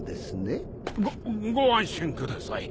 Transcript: ごご安心ください。